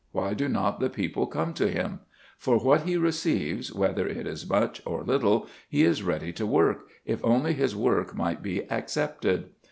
Why do not the people come to him? For what he receives, whether it is much or little, he is ready to work, if only his work might be accepted.